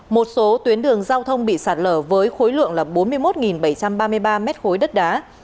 một số tuyến đường giao thông bị sạt lở với khối lượng là bốn mươi một bảy trăm ba mươi ba mét khối đất đá